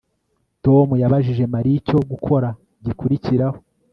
Tom yabajije Mariya icyo gukora gikurikiraho